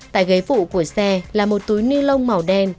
tại ghế phụ của xe là một túi ni lông màu đen